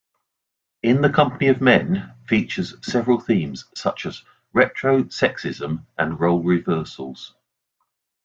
"In the Company of Men" features several themes such as retro-sexism and role reversals.